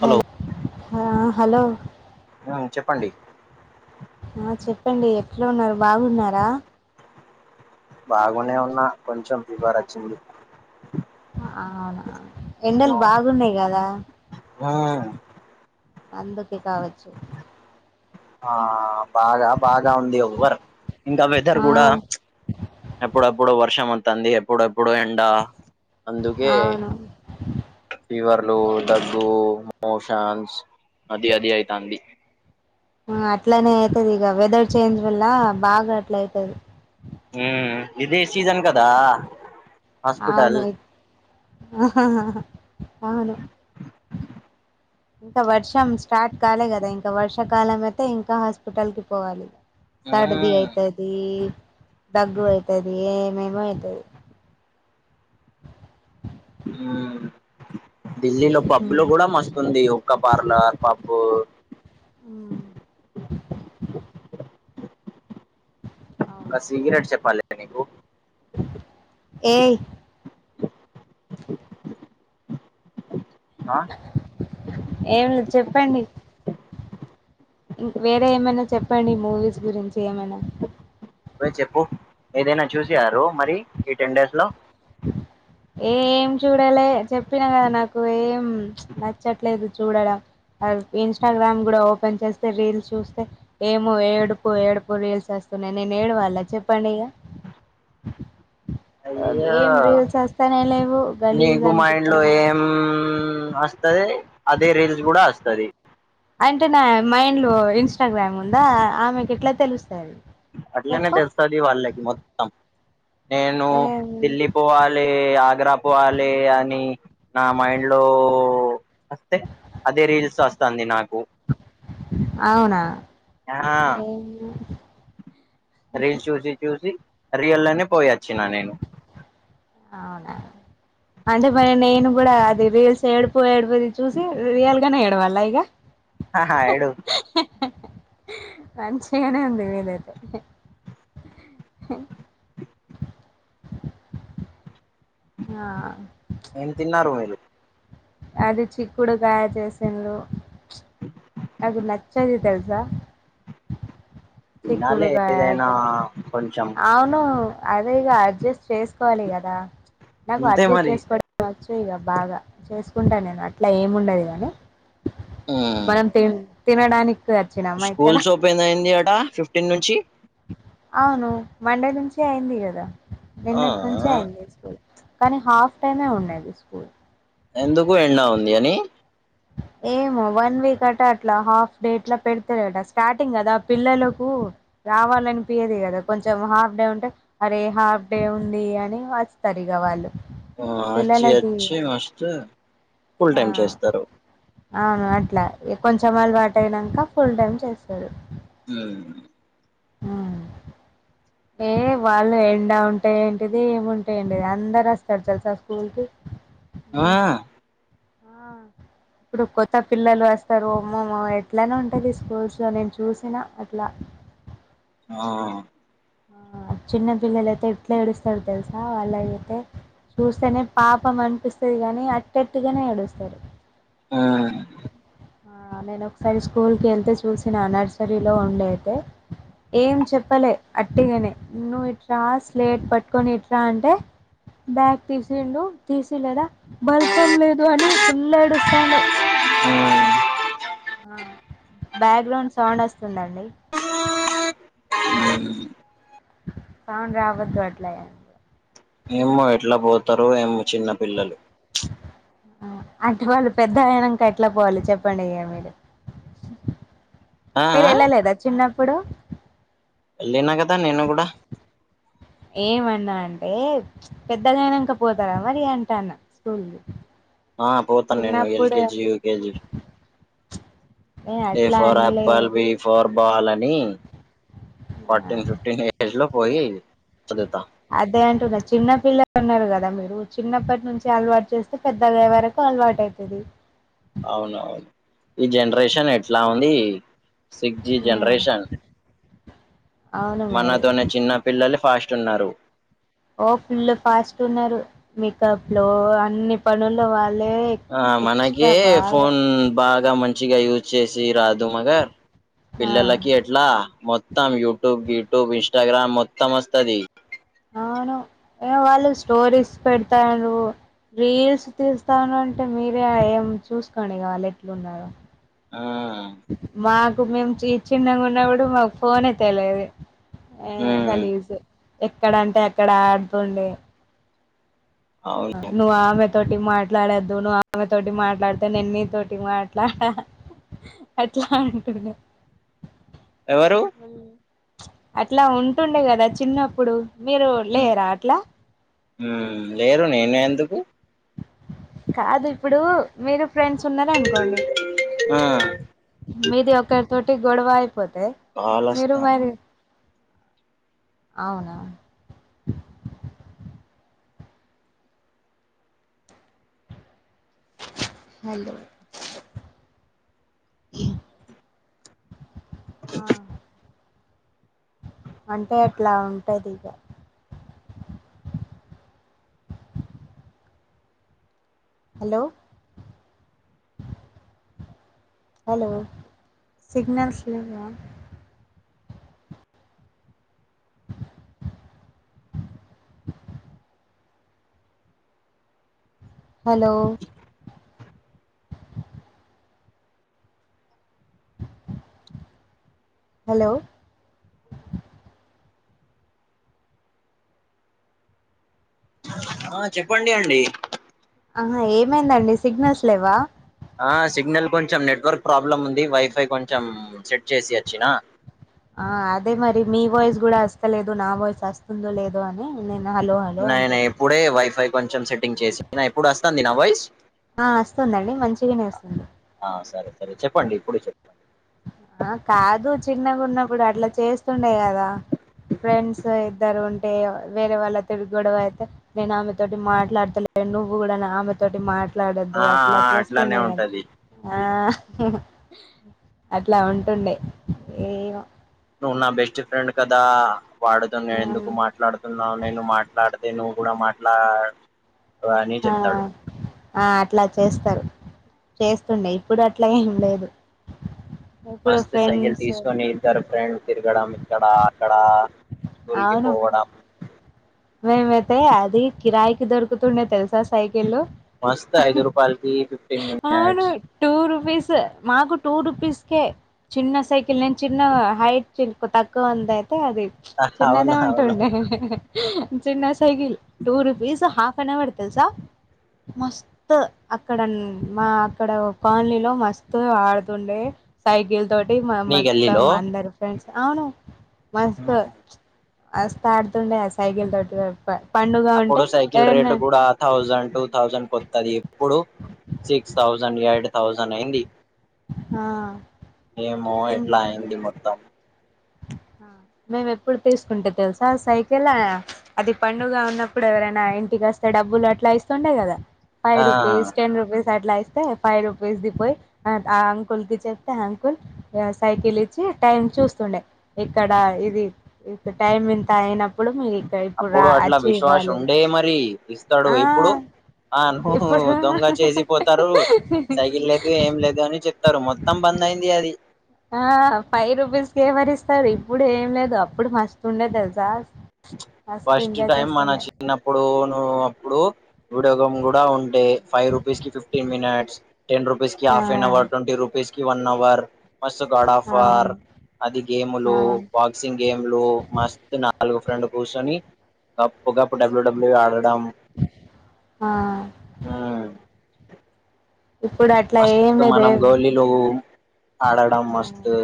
Hello హ hello ఉమ్ చెప్పండి ఆ చెప్పండి ఎట్లా ఉన్నారు బాగున్నారా బాగునే ఉన్నా కొంచెం ఫీవర్ వచ్చింది అవునా ఎండలు ఉమ్ బాగున్నాయి కదా అందుకె కావచ్చు ఆ బాగా బాగా ఉంది ఎవ్వర్ ఇంకా వెదర్ ఆ కూడా ఎప్పుడప్పుడు వర్షం అంత తంది ఎప్పుడప్ ప్పుడు ఎండ అందుకే అవును ఫీవర్లు దగ్గు మోషన్స్ అది అదియితాంది ఆ అట్లానే అవుతది ఇక వెదర్ చేంజ్ వల్ల బాగా అట్ల అయితది ఊ ఇదే సీజన్ కదా హాస్పిటల్ అవును అవును ఇంకా వర్షం స్టార్ట్ కాలే కదా ఇంకా వర్షాకాలం అయితే ఇంకా హాస్పిటల్ కి పోవాలి సడది ఉమ్ అయితది దగ్గు అవుతది ఏమేమో అవుతది ఊ ఢిల్లీలో పబ్ లో కూడా మస్తుంది ఒక్క బార్ల పబ్ అవునా ఒక సిగరెట్ చెప్పాలి నీకు ఏయ్ ఆ పెండి వేరే ఏమైనా చెప్పండి మూవీస్ గురించి ఏమైనా రే చెప్పు ఏదైనా చూసారు మరి ఈ టెన్ డేస్ లో ఏం చూడలే చెప్పిన కదా నాకు ఏం నచ్చట్లేదు చూడడం ఇన్స్టాగ్రామ్ కూడా ఓపెన్ చేస్తే రీల్స్ చూస్తే ఏమో ఏడుపు ఏడుపు రీల్స్ వస్తే వస్తున్నాయి నేను ఏడవాళ చెప్పండి ఇక అయ్యా ఏం రీల్స్ వస్తానే లేవు గలీజ్ నీకు మా ఇండ్లో అనిపిస్తుంది ఏం వస్తది అదే రీల్స్ కూడా వస్తది ఇంటిలో ఇన్స్టాగ్రామ్ ఉందా ఆమెకి ఎట్లా తెలుస్తది అట్లనే తెలుస్తది వాళ్ళకి మొత్తం నేను ఢిల్లీ పోవాలి ఆగ్రా పోవాలి అని నా మైండ్ లో వస్తే అదే రీల్స్ వస్తుంది నాకు అవునా ఆ వామ్మో రీల్ చూసి చూసి రియల్లోనే పోయిొచ్చిన నేను అవునా అంటే మరి నేను కూడా అది రీల్స్ ఏడుపో ఏడు రీల్ చూసి రియాల్గానే ఏడవళ్ళ ఇగ ఆహా ఏడువ్ మంచిగానే ఉంది వీదైతే హు ఆ ఏం తిన్నారు మీరు అది చిక్కుడు కాయ చేసిర్రూ అది నచ్చదు తెల్సా తినాలి చిక్కుడుకాయ ఏదైనా అది కొంచెం అవును అదేగ అడ్జస్ట్ చేసుకోవాలి కదా నాకు అంతే అడ్జస్ట్ మరి చేసుకోవడం వచ్చు ఇక బాగా చేసుకు కుంటా నేను అట్లా ఏముండదు గాని ఉమ్ మనం తి తినడానికి వచ్చినామా ఇక్కడ స్కూల్స్ ఓపన్ అయింది అట ఫిఫ్టీన్ నుంచి అవును మండే నుంచే అయింది కదా ఆ నిన్నటి నుంచే అయింది స్కూల్ కానీ హాఫ్ టైమే ఉన్నది స్కూల్ ఎందుకు ఎండా ఉంది అని ఏమో వన్ వీక్ అట అట్లా హాఫ్ డే అట్లా పెడతారట స్టార్టింగ్ కదా పిల్లలకు రావాలనిపయదు కదా కొంచెం హాఫ్ డే ఉంటే అరే హాఫ్ డే ఉంది అని వస్తరు ఇగా వాళ్ళు మ్ అచ్చి పిల్లలది అచ్చి వస్తే ఫుల్ టైమ్ చేస్తరు ఆ అట్లా కొంచెం అలవాటు అయినాంక ఫుల్ టైమ్ చేస్తరు మ్ హ్మ్. ఏ వాళ్ళు ఎండా ఉంటే ఏంటిది ఏముంటే ఏంటిది అందరు వస్తారు తెలుసా స్కూల్ కి మ్ ఆ! ఇప్పుడు కొత్త పిల్లలు వస్తరు ఒమ్మ ఎట్లనో ఉంటది స్కూల్స్ లో నేను చూసినా అట్లా ఆ ఆ చిన్న పిల్లలయితే ఎట్లా ఏడుస్తారు తెలుసా వాళ్ళ అయితే చూస్తేనే పాపం అనిపిస్తది గానీ అట్టట్టుగానే ఏడుస్తారు ఉమ్ ఆ నేను ఒకసారి స్కూల్ కి ఎళ్తే చూసిన నర్సరీలో ఉండేతే ఏం చెప్పలే అట్టిగానే నువ్వెట్ల స్లేట్ పట్టుకొని ఇట్ర అంటే బ్యాగ్ తీసిండు తీసిలేదా బల్పం లేదు అని ఫుల్ ఏడుస్తాండు ఉమ్ ఆ బ్యాక్గ్రౌండ్ సౌండ్ వస్తుందండి సౌండ్ రావద్దు అట్లాయ ఏమో ఎట్లా పోతారో ఏమో చిన్న పిల్లలు అంటే వాళ్ళు పెద్ద ఆయనంకా ఎట్లా పోవాలి చెప్పండి ఇంగ మీరు ఆ ఆ మీరెళ్ళలేదా చిన్నప్పుడు లినా కదా నేను కూడా ఏమన్నా అంటే పెద్దగైనాంక పోతారా మరి అంటాన్న స్కూల్ కి ఆ పోతా నేను చిన్నప్పుడు ఎల్కేజీ యూకేజీ ఏ అట్లా ఫార్ అనలే యాప్పల్ బి ఫార్ బాల్ అని ఫార్టీన్ ఫిఫ్టీన్ ఏజ్ లో పోయి చదువుతా అదే అంటున్నా చిన్న పిల్లలు ఉన్నారు కదా మీరు చిన్నప్పటి నుంచి అలవాటు చేస్తే పెద్దగాయ వరకు అల్వాటయితది అవునవును ఈ జనరేషన్ ఎట్లా ఉంది సిక్స్ జి ఉమ్ జనరేషన్ అవును మరి మనతోనే చిన్న పిల్లలు ఫాస్ట్ ఉన్నారు ఓ ఫుల్ ఫాస్ట్ ఉన్నారు మేకప్ లో అన్ని పనుల్లో వా ఆ మనకే ఫోన్ బాగా మంచిగా యూజ్ చేసి రాదు మగ ఆ పిల్లలకి ఎట్లా మొం మొత్తం యుట్యూబ్ గి ట్యూబ్ ఇన్స్టాగ్రామ్ మొత్తం వస్తది అవును ఏ వాళ్ళు స్టోరీస్ పెడతారూ రీల్స్ తీస్తారూ అంటే మీరే ఏం చూసుకోని ఇంగ వాళు ఎట్లు ఉన్నారు ఆ మాకు మేము చిన్నంగా ఉన్నప్పుడు మాకు ఫోన్ ఏ తెలిదు ఏ ఉమ్ గలీజ్ ఎక్కడంటే ఎక్కడ ఆడుతుండే అవును నువ్వు అమే తోటి మాట్లాడద్దు నువ్వు ఆమె తోటి మాట్లాడితే నేను నీ తోటి మాట్లాడా అట్లా అంటునారు ఎవరు అట్లా ఉంటుండే కదా చిన్నప్పుడు మీరు లేరా అట్లా లేరు నేను ఎందుకు కాదు ఇప్పుడు మీరు ఫ్రెండ్స్ ఉన్నార అనుకోండి ఆ మీది ఒకరి తోటి గొడవ అయిపోతే కాల్ మీరు వస్తా మరి అవున హలో ఆ అంటే అట్లా ఉంటది ఇగ హలో హలో సిగ్నల్స్ లెవ్వ హలో హలో ఆ చెప్పండి అండి ఆహ ఏమైందండి సిగ్నల్స్ లెవ్వ ఆ సిగ్నల్ కొంచెం నెట్వర్క్ ప్రాబ్లం ఉంది వైఫై కొంచెం సెట్ చేసి వచ్చిన ఆ అదే మరి మీ వాయిస్ కూడా ఆస్తలేదు నా వాయిస్ కూడా ఆస్తుందో లేదో అని నేను హలో హలో నైనా అంటున్నా ఇప్పుడే వైఫై కొంచెం సెట్టింగ్ చేసి ఇప్పుడు వస్తంది నా వాయిస్ ఆ వస్తుందండి మంచిగానే వస్తుంది ఆ సరే సరే చెప్పండి ఇప్పుడు చెప్పం ఆ కాదు చిన్నగున్నప్పుడు అట్లా చేస్తుండే కదా ఫ్రెండ్స్ ఇద్దరు ఉంటే వేరే వాళ్ళ తిరిగు గొడవ అయితే నేను ఆమెతోటి మాట్లాడుతలే నువ్వు కూడా నా ఆమె తోటి ఆ మాట్లాడొద్దు అట్లా ఆ అట్లానే చేస్తుండే కద్ ఉంటది ఆ అట్లా ఉంటుండే ఏమో నువ్వు నా బెస్ట్ ఫ్రెండ్ కదా వాడుతో నువ్ ఎందుకు మాట్లాడుతున్నావు నేను మాట్లాడు నే నువ్ కూడా మాట్లా అని ఆ చెప్తాడు ఆ అట్లా చేస్తారు చేస్తుండే ఇప్పుడు అట్లా ఏం లేదు ఇప్పుడు మస్తు సైకిల్ ఫ్రెండ్స్ తీసుకొని ఇద్దరు ఫ్రెండ్ తిరగడం ఇక్కడ అక్కడ స్కూల్కి అవును పోవడం మేమైతే అది కిరాయికి దొరుకుతుండే తెల్ మస్త ఐదు రూపాయలకి ఫిఫ్టీన్ అవును మినట్స్ టూ రూపీస్ మాకు టూ రూపీస్కే చిన్న సైకిల్ నేను చిన్న హైట్ చి తక్కువ ఉందయితే అది చిన్నదే అవును అవును ఉంటుండే చిన్న సై cycle two rupees half an hour తెలుసా మస్త్ అక్కడ మా అక్కడ కాలనీలో మస్తు ఆడుతుండే సైకిల్ తోటి టి మా మీ మొత్తం గల్లీలో అందారు ఫ్రెండ్స్ అవును మస్త్ మస్త్ ఆడుతుండే ఆ సైకిల్ తోటి మేం అప్పుడు సైకిల్ రేట్ కూడా థౌజండ్ టూ థౌసండ్ కొత్తది ఇప్పుడు సిక్స్ థౌసండ్ ఎయిట్ థౌసండ్ అయింది ఆ ఏమ ఇం ఎట్లా అయ్యింది మొత్తం మేము ఎప్పుడు తీసుకుంటే తెలుసా సైకిల్ అది పండుగ ఉన్నప్పుడు ఎవరైనా ఇంటి కోస్తే డబ్బులు అట్లా ఇస్తుండే కదా ఫైవ్ ఆ రూపీస్ టెన్ రూపీస్ అట్లా తే ఫైవ్ రూపీస్ ది పోయి ఆ అంకుల్ కి చెప్తే అంకుల్ సైకిల్ ఇచ్చి టైమ్ చూస్తుండే ఇక్కడ ఇది టైమ్ ఎంత అయిన అప్పుడు అట్లా విశ్వాస్ ఉండే మరి ఇస్తాడు ఆ ఇప్పుడు ఆను ఇప్పుడు దొంగ చేసిపోతారు సైకిల్ లేదు ఏం లేదు అని చెప్తారు మొత్తం బంద్ అయింది అది ఆ ఫైవ్ రూపీస్కీ ఏవరిస్తారు ఇప్పుడు ఏం లేదు అప్పుడు మస్తుండే తెల్సా ఫస్ట్ టైం మన చిన్నప్పుడు నువ్ అప్పుడు వీడియో గేమ్ కూడా ఉంటే ఫైవ్ రూపీస్ కి ఫిఫ్టీన్ మినిట్స్ టెన్ రుపీస్ కి హాఫ్ అన్ ఆ అవర్ ట్వంటీ రూపీ పీస్ కి వన్ అవర్ మస్తు గాడ్ ఆఫర్ అవును అది ఆ గేములు బాక్సింగ్ గేమ్లు మస్త్ నా గు ఫ్రెండ్ కుసోని గప్పుగప్పు డబ్ల్యూ డబ్ల్యూ ఆడ్ తం ఆ హు ఇప్పుడు అట్లా ఏం మస్త్ లేదు మనం ఏం గోళీలు ఆడడం ఆ మస్తు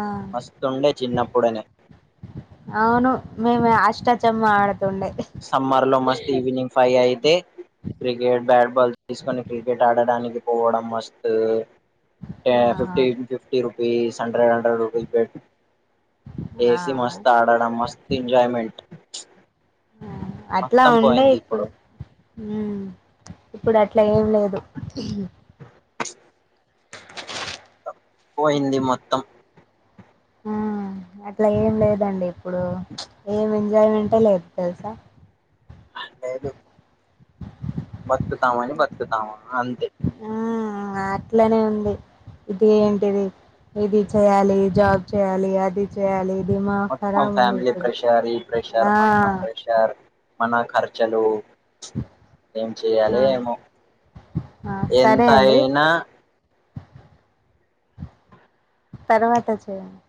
ఆ మస్తుండే చిన్నప్పుడనే అవును మేమే అష్టాచమ్మ ఆడత సమ్మర్ లో మస్త్ ఈవినింగ్ ఫైవ్ అయితే క్రికెట్ బ్యాట్ బాల్ తీసుకొని క్రికెట్ ఆడడానికి పోవడం మష్ట్ ట్యా ఆ fifteen fifty rupees hundred hundred rupees bet ఆ ఏసి మస్త్ ఆడాడం మస్త్ ఎంజాయ్ మెంట్ ఆ అట్లా ఉండే ఇప్పుడు ఉమ్ ఇప్పుడు అట్లా ఏం లేదు పోయింది మొత్తం ఆ అట్లా ఏం లేదండి ఇప్పుడు ఏమి ఎంజాయ్ మెంట్ ఎ లేదు తెలుసా మరి లేదు బతుకుతామాని బతుకుతమా అంతే ఆ అట్లానే ఉంది ఇది ఏంటిది ఇది చెయాలి జాబ్ చేయాలి అది చెయ్యాలి మొత్తం ఫ్యామిలీ ప్రెషర్ ఈ ప్రెషర్ ఆ మన ప్రెషర్ మన ఖర్చలు ఏం చేయాలో ఆ ఏమో ఆ, సరే ఎంత అండి అయినా తర్వాత చేయండి